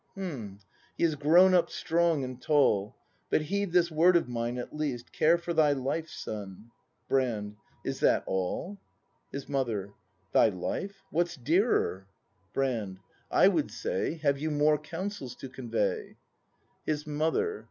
] H'm, he is grown up strong and tall. But heed this word of mine, at least, — Care for thy life, son! Brand. Ts that all ? His Mother. Thy life ? What's dearer ? ACT II] BRAND 85 Brand. I would say: Have you more counsels to convey ? His Mother.